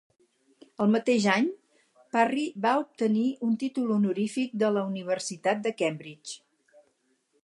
El mateix any, Parry va obtenir un títol honorífic de la Universitat de Cambridge.